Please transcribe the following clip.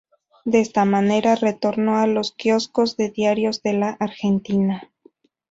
De esta manera retornó a los kioscos de diarios de la Argentina.